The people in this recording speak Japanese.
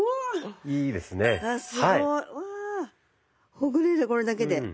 ほぐれるこれだけで。